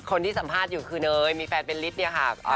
คนที่สัมภาษณ์อยู่คือเนยมีแฟนเป็นฤทธิ์เนี่ยค่ะ